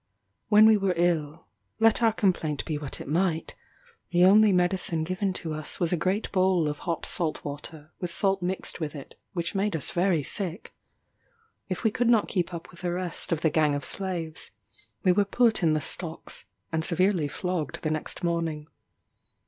When we were ill, let our complaint be what it might, the only medicine given to us was a great bowl of hot salt water, with salt mixed with it, which made us very sick. If we could not keep up with the rest of the gang of slaves, we were put in the stocks, and severely flogged the next morning.